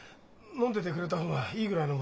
飲んでてくれた方がいいぐらいなもんで。